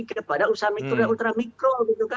kepada usaha mikro dan ultra mikro